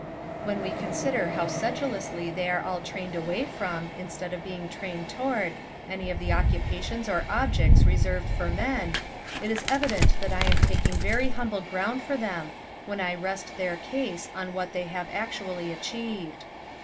When we consider how sedulously they are all trained away from, instead of being trained toward, any of the occupations or objects reserved for men, it is evident that I am taking very humble ground for them, when I rest their case on what they have actually achieved.